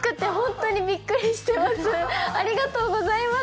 ありがとうございます。